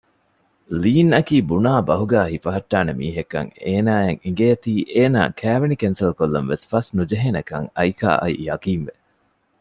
ލީންއަކީ ބުނާ ބަހުގައި ހިފަހައްޓާ މީހެއްކަން އޭނާއަށް އެނގޭތީ އޭނާ ކައިވެނި ކެންސަލްކޮށްލަންވެސް ފަސްނުޖެހޭނެކަން އައިކާއަށް ޔަޤީންވެ